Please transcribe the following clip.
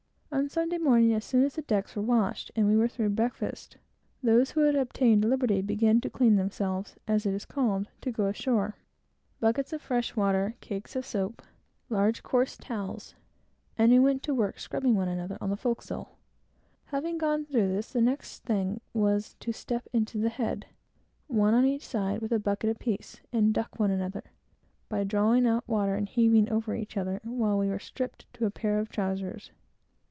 On Sunday morning, as soon as the decks were washed, and we had got breakfast, those who had obtained liberty began to clean themselves, as it is called, to go ashore. A bucket of fresh water apiece, a cake of soap, a large coarse towel, and we went to work scrubbing one another, on the forecastle. Having gone through this, the next thing was to get into the head, one on each side with a bucket apiece, and duck one another, by drawing up water and heaving over each other, while we were stripped to a pair of trowsers.